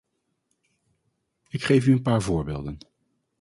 Ik geef u een paar voorbeelden.